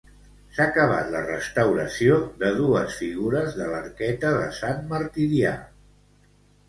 S'ha acabat la restauració de dues figures de l'Arqueta de Sant Martirià.